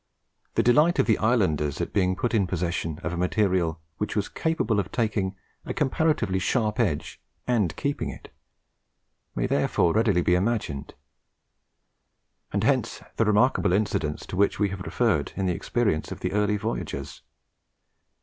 The delight of the islanders at being put in possession of a material which was capable of taking a comparatively sharp edge and keeping it, may therefore readily be imagined; and hence the remarkable incidents to which we have referred in the experience of the early voyagers.